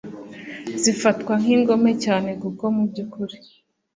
Zifatwa nk'ingome cyane kuko mu by'ukuri